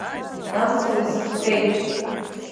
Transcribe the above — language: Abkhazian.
Амца ҩасыхҟьеит.